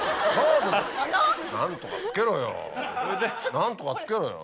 何とかつけろよ。